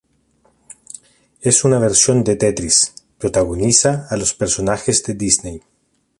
Es una versión de Tetris, protagoniza a los Personajes de Disney.